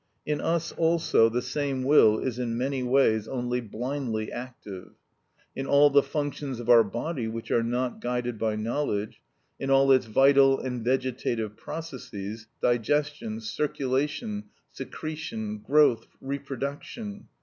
In us also the same will is in many ways only blindly active: in all the functions of our body which are not guided by knowledge, in all its vital and vegetative processes, digestion, circulation, secretion, growth, reproduction.